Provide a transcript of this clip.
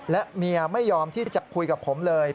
และเมียไม่ยอมที่จะคุยกับผมเลย